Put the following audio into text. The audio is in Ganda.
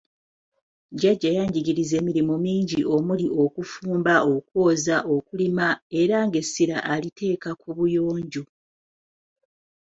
Jjajja yanjigiriza emirimu mingi omuli; okufumba, okwoza, okulima era ng'essira aliteeka ku buyonjo.